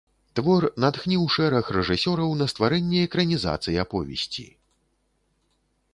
Твор натхніў шэраг рэжысёраў на стварэнне экранізацый аповесці.